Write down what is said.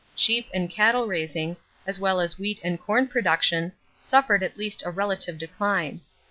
Sheep and cattle raising, as well as wheat and corn production, suffered at least a relative decline.